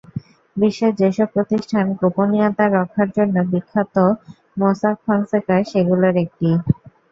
বিশ্বের যেসব প্রতিষ্ঠান গোপনীয়তা রক্ষার জন্য বিখ্যাত, মোসাক ফনসেকা সেগুলোর একটি।